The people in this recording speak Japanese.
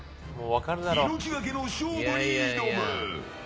命がけの勝負に挑む！